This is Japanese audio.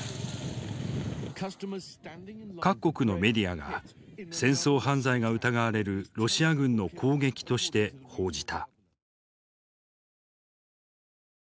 各国のメディアが戦争犯罪が疑われるロシア軍の攻撃として報じた。